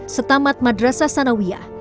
setamat madrasah sanawiyah